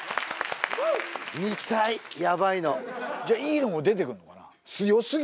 じゃあいいのも出てくんのかな？